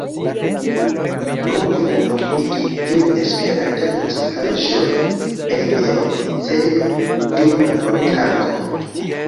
Provu aŭdigi iun Esperantan muzikaĵon en via oficejo dum labortago.